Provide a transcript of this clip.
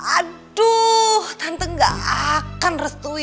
aduh tante gak akan restui